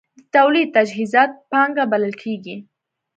د تولید تجهیزات پانګه بلل کېږي.